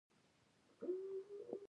چوکۍ د وینا کولو پر وخت اړتیا ده.